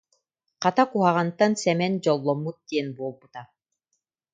Хата, куһаҕантан Сэмэн дьолломмут диэн буолбута